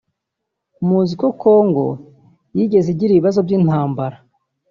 Muzi ko congo yigeze igira ibibazo by’intambara